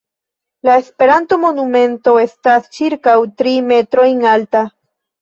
La Esperanto monumento estas ĉirkaŭ tri metrojn alta.